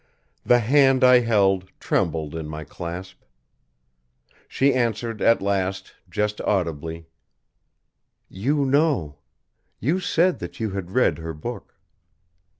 The hand I held trembled in my clasp. She answered at last, just audibly: "You know. You said that you had read her book."